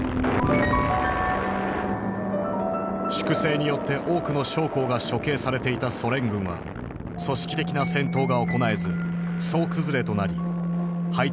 粛清によって多くの将校が処刑されていたソ連軍は組織的な戦闘が行えず総崩れとなり敗退を繰り返した。